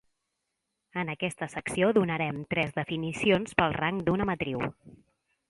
En aquesta secció donarem tres definicions pel rang d'una matriu.